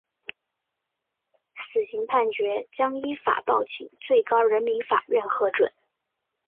死刑判决将依法报请最高人民法院核准。